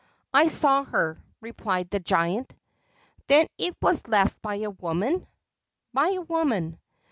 "I saw her," replied the giant. "Then it was left by a woman?" "By a woman."